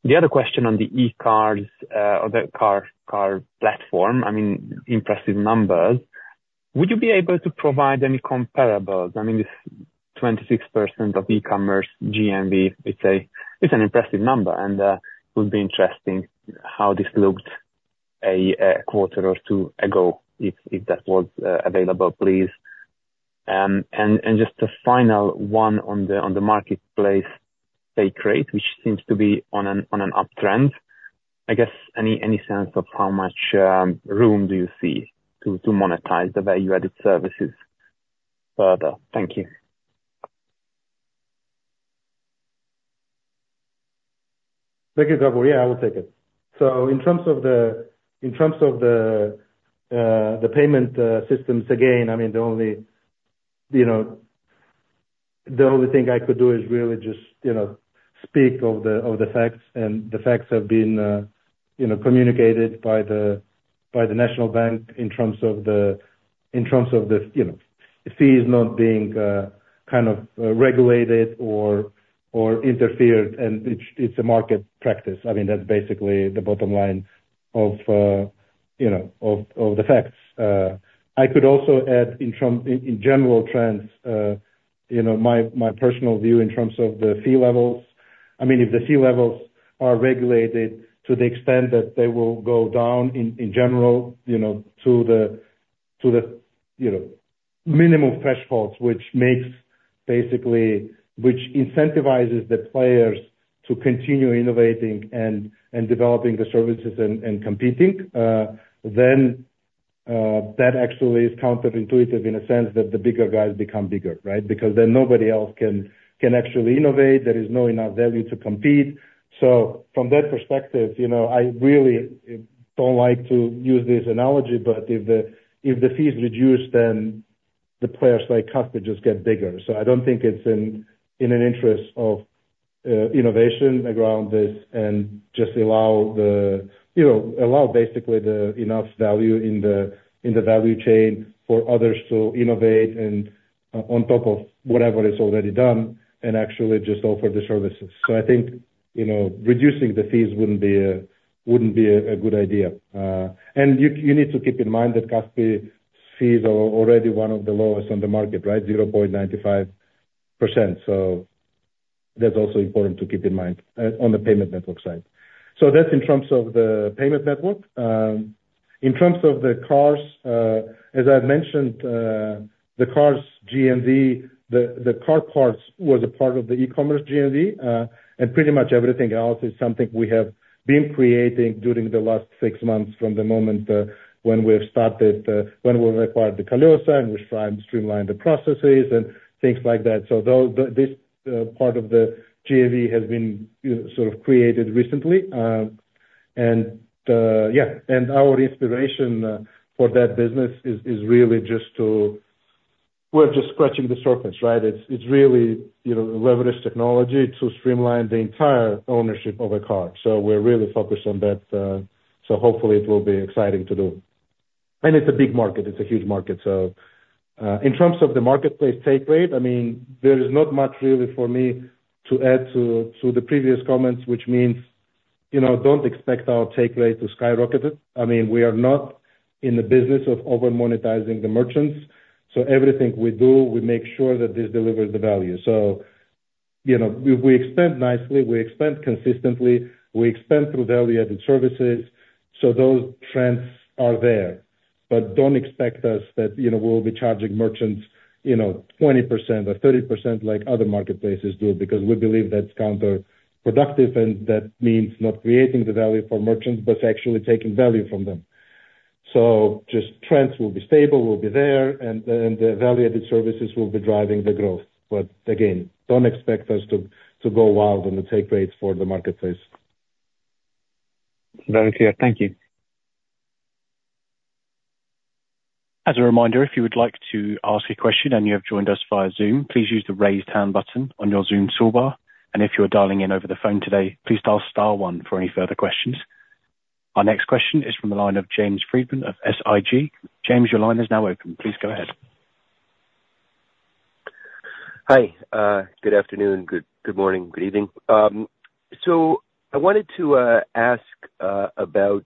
The other question on the e-Cars or the car platform, I mean, impressive numbers. Would you be able to provide any comparables? I mean, this 26% of e-Commerce, GMV, it's an impressive number. And it would be interesting how this looked a quarter or two ago if that was available, please. And just the final one on the marketplace take rate, which seems to be on an uptrend. I guess any sense of how much room do you see to monetize the value-added services further? Thank you. Thank you, Gabor. Yeah, I will take it. So in terms of the payment systems, again, I mean, the only thing I could do is really just speak of the facts. The facts have been communicated by the national bank in terms of the fees not being kind of regulated or interfered. It's a market practice. I mean, that's basically the bottom line of the facts. I could also add in general trends, my personal view in terms of the fee levels. I mean, if the fee levels are regulated to the extent that they will go down in general to the minimum thresholds, which basically incentivizes the players to continue innovating and developing the services and competing, then that actually is counterintuitive in a sense that the bigger guys become bigger, right, because then nobody else can actually innovate. There is not enough value to compete. So from that perspective, I really don't like to use this analogy. But if the fees reduce, then the players like Kaspi just get bigger. So I don't think it's in the interest of innovation around this and just allow basically enough value in the value chain for others to innovate and on top of whatever is already done and actually just offer the services. So I think reducing the fees wouldn't be a good idea. And you need to keep in mind that Kaspi's fees are already one of the lowest on the market, right, 0.95%. So that's also important to keep in mind on the payment network side. So that's in terms of the payment network. In terms of the cars, as I've mentioned, the cars GMV, the car parts was a part of the e-commerce GMV. Pretty much everything else is something we have been creating during the last six months from the moment when we have started when we've acquired the Kolesa and we've streamlined the processes and things like that. This part of the GMV has been sort of created recently. Yeah, our inspiration for that business is really just to we're just scratching the surface, right? It's really leveraged technology to streamline the entire ownership of a car. We're really focused on that. Hopefully, it will be exciting to do. It's a big market. It's a huge market. In terms of the marketplace take rate, I mean, there is not much really for me to add to the previous comments, which means don't expect our take rate to skyrocket it. I mean, we are not in the business of over-monetizing the merchants. So everything we do, we make sure that this delivers the value. So we expand nicely. We expand consistently. We expand through value-added services. So those trends are there. But don't expect that we'll be charging merchants 20% or 30% like other marketplaces do because we believe that's counterproductive. And that means not creating the value for merchants, but actually taking value from them. So those trends will be stable. We'll be there. And the value-added services will be driving the growth. But again, don't expect us to go wild on the take rates for the marketplace. Very clear. Thank you. As a reminder, if you would like to ask a question and you have joined us via Zoom, please use the raised hand button on your Zoom toolbar. If you are dialing in over the phone today, please press star one for any further questions. Our next question is from the line of James Friedman of SIG. James, your line is now open. Please go ahead. Hi. Good afternoon. Good morning. Good evening. I wanted to ask about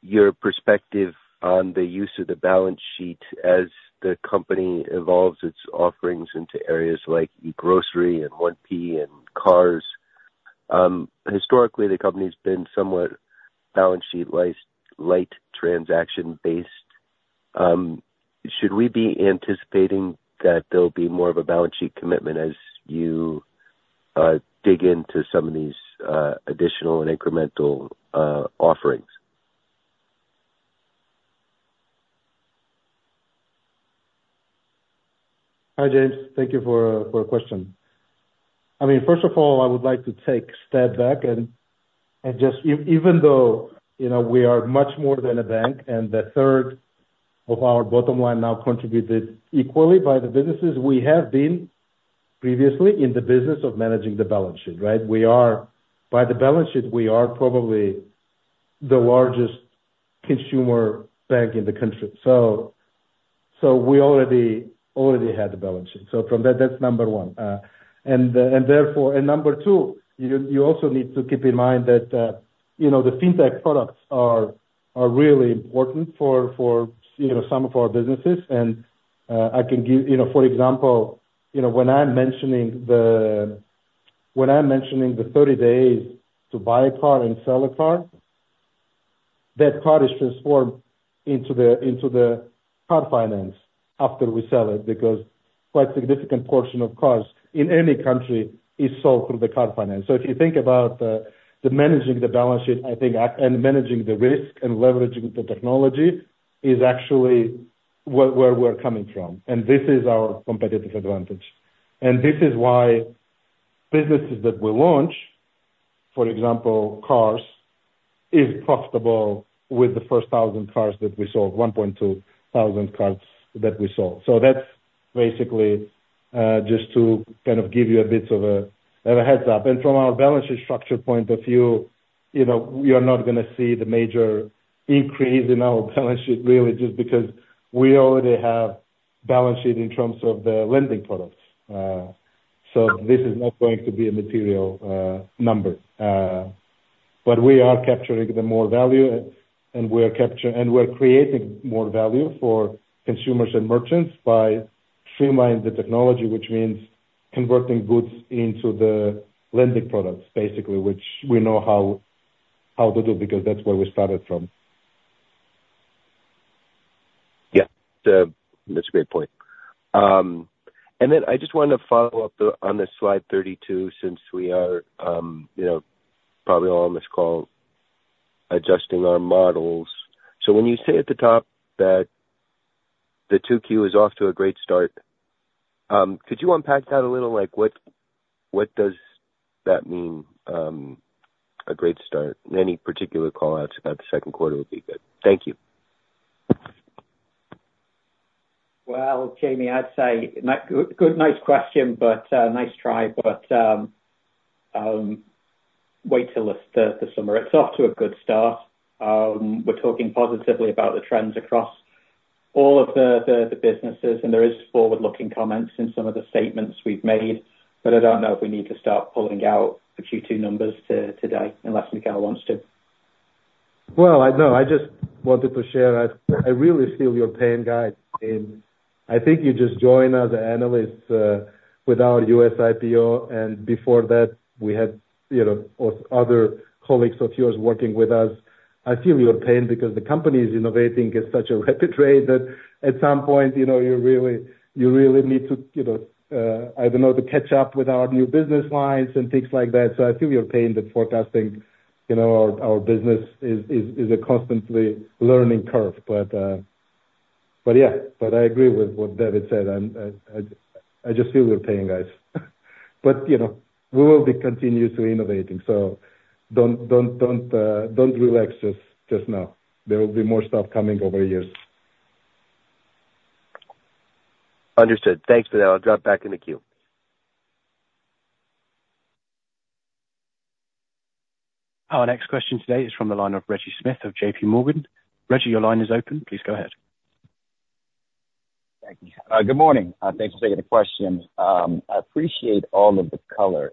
your perspective on the use of the balance sheet as the company evolves its offerings into areas like e-grocery and 1P and cars. Historically, the company's been somewhat balance sheet-light, transaction-based. Should we be anticipating that there'll be more of a balance sheet commitment as you dig into some of these additional and incremental offerings? Hi, James. Thank you for the question. I mean, first of all, I would like to take a step back. Even though we are much more than a bank and the third of our bottom line now contributed equally by the businesses, we have been previously in the business of managing the balance sheet, right? By the balance sheet, we are probably the largest consumer bank in the country. We already had the balance sheet. From that, that's number one. And therefore and number two, you also need to keep in mind that the fintech products are really important for some of our businesses. I can give for example, when I'm mentioning the 30 days to buy a car and sell a car, that car is transformed into the car finance after we sell it because quite a significant portion of cars in any country is sold through the car finance. So if you think about managing the balance sheet, I think, and managing the risk and leveraging the technology is actually where we're coming from. And this is our competitive advantage. And this is why businesses that we launch, for example, cars, is profitable with the first 1,000 cars that we sold, 1,200 cars that we sold. So that's basically just to kind of give you a bit of a heads up. From our balance sheet structure point of view, you're not going to see the major increase in our balance sheet really just because we already have balance sheet in terms of the lending products. This is not going to be a material number. We are capturing the more value. We're creating more value for consumers and merchants by streamlining the technology, which means converting goods into the lending products, basically, which we know how to do because that's where we started from. Yeah. That's a great point. And then I just wanted to follow up on this slide 32 since we are probably all on this call adjusting our models. So when you say at the top that the 2Q is off to a great start, could you unpack that a little? What does that mean, a great start? Any particular callouts about the second quarter would be good. Thank you. Well, Jamie, I'd say good, nice question, but nice try. But wait till the summer. It's off to a good start. We're talking positively about the trends across all of the businesses. And there is forward-looking comments in some of the statements we've made. But I don't know if we need to start pulling out the Q2 numbers today unless Mikheil wants to. Well, no. I just wanted to share. I really feel your pain, guys. I think you just joined as an analyst without US IPO. And before that, we had other colleagues of yours working with us. I feel your pain because the company is innovating at such a rapid rate that at some point, you really need to, I don't know, to catch up with our new business lines and things like that. So I feel your pain that forecasting our business is a constantly learning curve. But yeah. But I agree with what David said. I just feel your pain, guys. But we will continue to innovating. So don't relax just now. There will be more stuff coming over years. Understood. Thanks, Mikheil. I'll drop back in the queue. Our next question today is from the line of Reggie Smith of JPMorgan. Reggie, your line is open. Please go ahead. Thank you. Good morning. Thanks for taking the question. I appreciate all of the color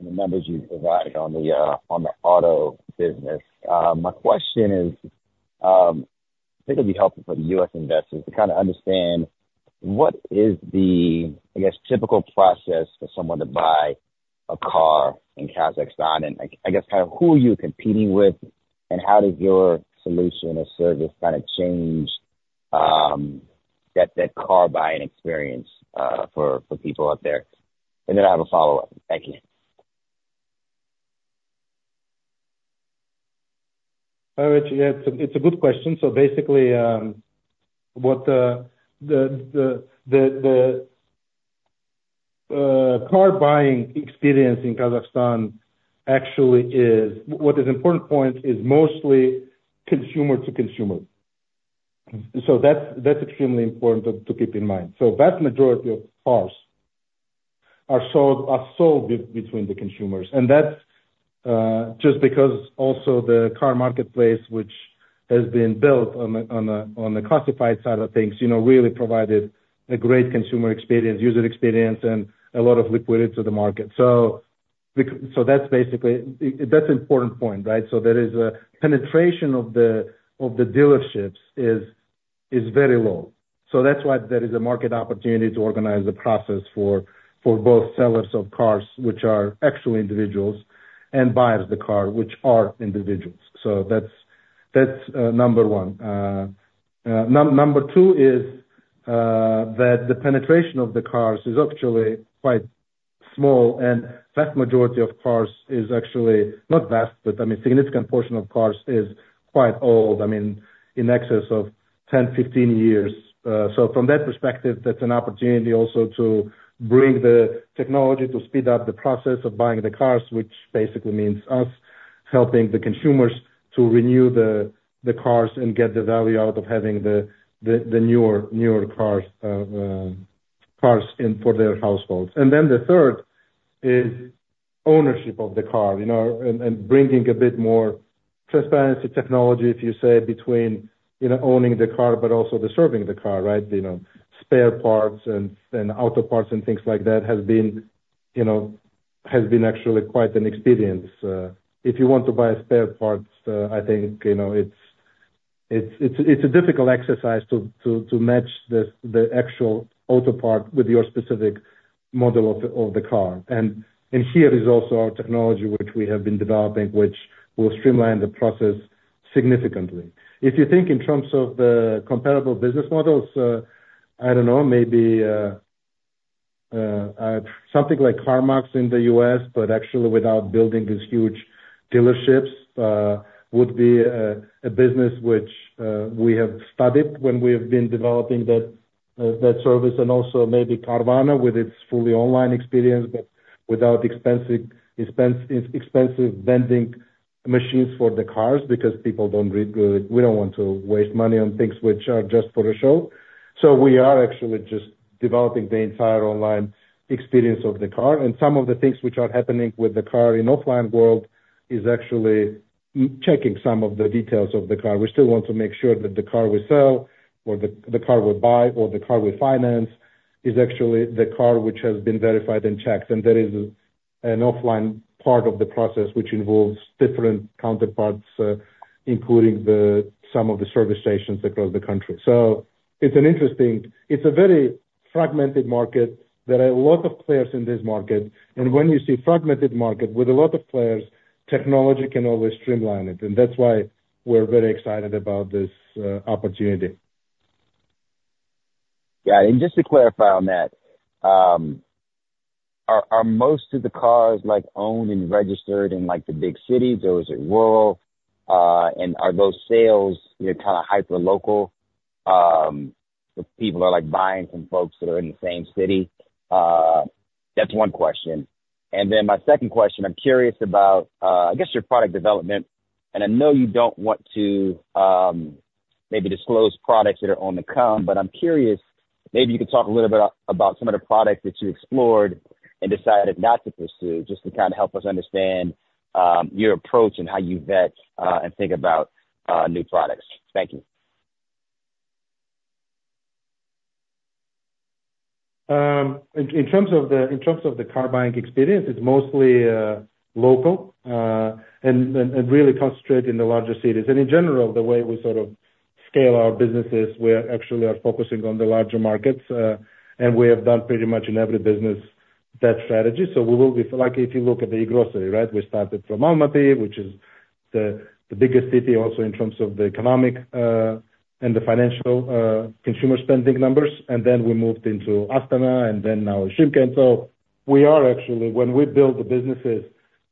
and the numbers you provided on the auto business. My question is, I think it'll be helpful for the U.S. investors to kind of understand what is the, I guess, typical process for someone to buy a car in Kazakhstan and, I guess, kind of who are you competing with, and how does your solution or service kind of change that car buying experience for people out there? And then I have a follow-up. Thank you. Hi, Reggie. Yeah. It's a good question. Basically, what the car buying experience in Kazakhstan actually is, what is important point is mostly consumer-to-consumer. That's extremely important to keep in mind. Vast majority of cars are sold between the consumers. And that's just because also the car marketplace, which has been built on the classified side of things, really provided a great consumer experience, user experience, and a lot of liquidity to the market. That's basically that's an important point, right? There is a penetration of the dealerships is very low. That's why there is a market opportunity to organize the process for both sellers of cars, which are actually individuals, and buyers of the car, which are individuals. That's number one. Number two is that the penetration of the cars is actually quite small. Vast majority of cars is actually not vast, but I mean, significant portion of cars is quite old, I mean, in excess of 10, 15 years. So from that perspective, that's an opportunity also to bring the technology to speed up the process of buying the cars, which basically means us helping the consumers to renew the cars and get the value out of having the newer cars for their households. And then the third is ownership of the car and bringing a bit more transparency technology, if you say, between owning the car but also deserving the car, right? Spare parts and auto parts and things like that has been actually quite an experience. If you want to buy spare parts, I think it's a difficult exercise to match the actual auto part with your specific model of the car. And here is also our technology, which we have been developing, which will streamline the process significantly. If you think in terms of the comparable business models, I don't know, maybe something like CarMax in the US, but actually without building these huge dealerships, would be a business which we have studied when we have been developing that service. And also maybe Carvana with its fully online experience, but without expensive vending machines for the cars because people don't read good. We don't want to waste money on things which are just for the show. So we are actually just developing the entire online experience of the car. And some of the things which are happening with the car in the offline world is actually checking some of the details of the car. We still want to make sure that the car we sell or the car we buy or the car we finance is actually the car which has been verified and checked. There is an offline part of the process which involves different counterparts, including some of the service stations across the country. It's a very fragmented market. There are a lot of players in this market. When you see a fragmented market with a lot of players, technology can always streamline it. That's why we're very excited about this opportunity. Yeah. Just to clarify on that, are most of the cars owned and registered in the big cities, or is it rural? And are those sales kind of hyperlocal? People are buying from folks that are in the same city. That's one question. And then my second question, I'm curious about, I guess, your product development. And I know you don't want to maybe disclose products that are on the come, but I'm curious, maybe you could talk a little bit about some of the products that you explored and decided not to pursue just to kind of help us understand your approach and how you vet and think about new products. Thank you. In terms of the car buying experience, it's mostly local and really concentrated in the larger cities. In general, the way we sort of scale our businesses, we actually are focusing on the larger markets. We have done pretty much in every business that strategy. So we will be if you look at the e-grocery, right, we started from Almaty, which is the biggest city also in terms of the economic and the financial consumer spending numbers. Then we moved into Astana and then now Shymkent. So when we build the businesses,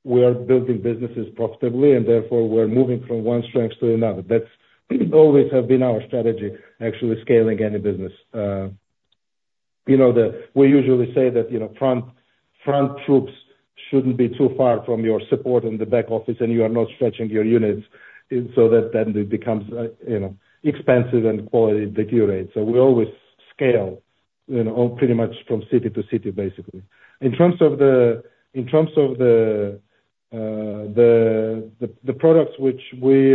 we are building businesses profitably. Therefore, we're moving from one strength to another. That's always have been our strategy, actually scaling any business. We usually say that front troops shouldn't be too far from your support in the back office, and you are not stretching your units so that then it becomes expensive and quality deteriorates. So we always scale pretty much from city to city, basically. In terms of the products which we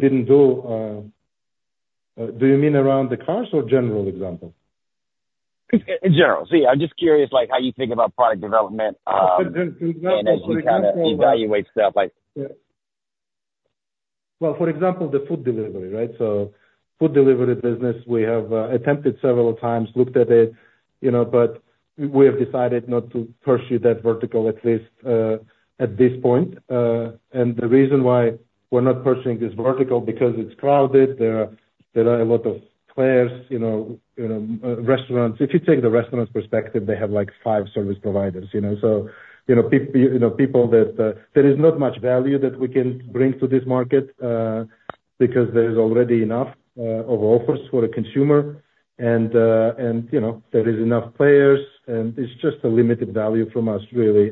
didn't do, do you mean around the cars or general example? In general. See, I'm just curious how you think about product development and as you kind of. Well, for example, the food delivery, right? So, food delivery business, we have attempted several times, looked at it, but we have decided not to pursue that vertical at least at this point. And the reason why we're not pursuing this vertical because it's crowded, there are a lot of players, restaurants. If you take the restaurant perspective, they have five service providers. So people that there is not much value that we can bring to this market because there is already enough of offers for a consumer. And there is enough players. And it's just a limited value from us, really,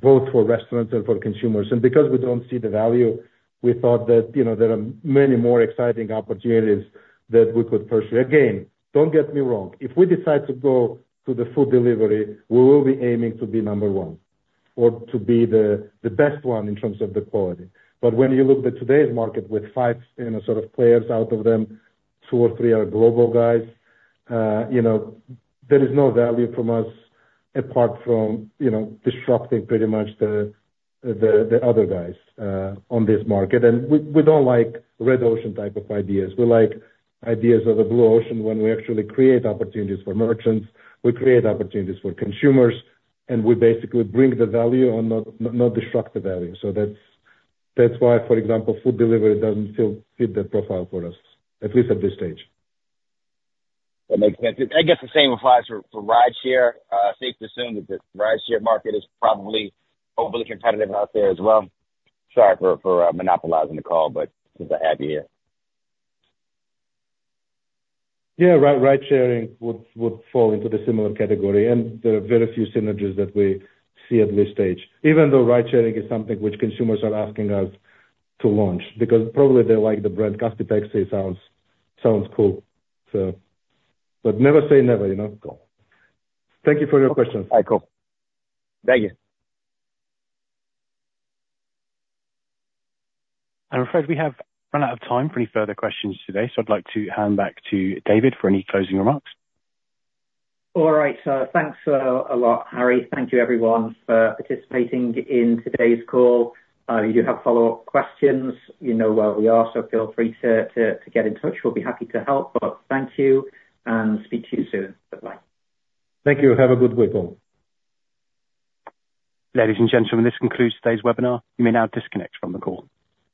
both for restaurants and for consumers. And because we don't see the value, we thought that there are many more exciting opportunities that we could pursue. Again, don't get me wrong. If we decide to go to the food delivery, we will be aiming to be number one or to be the best one in terms of the quality. But when you look at today's market with five sort of players out of them, two or three are global guys, there is no value from us apart from disrupting pretty much the other guys on this market. And we don't like red ocean type of ideas. We like ideas of the blue ocean when we actually create opportunities for merchants. We create opportunities for consumers. And we basically bring the value and not disrupt the value. So that's why, for example, food delivery doesn't still fit that profile for us, at least at this stage. That makes sense. I guess the same applies for rideshare. I think to assume that the rideshare market is probably overly competitive out there as well. Sorry for monopolizing the call, but since I have you here. Yeah. Ridesharing would fall into the similar category. There are very few synergies that we see at this stage, even though ridesharing is something which consumers are asking us to launch because probably they like the brand Kaspi Taxi. It sounds cool, so. Never say never. Thank you for your questions. All right. Cool. Thank you. I'm afraid we have run out of time for any further questions today. I'd like to hand back to David for any closing remarks. All right. So thanks a lot, Harry. Thank you, everyone, for participating in today's call. If you do have follow-up questions, you know where we are, so feel free to get in touch. We'll be happy to help. But thank you, and speak to you soon. Goodbye. Thank you. Have a good week, all. Ladies and gentlemen, this concludes today's webinar. You may now disconnect from the call.